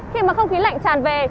khi mà không khí lạnh tràn về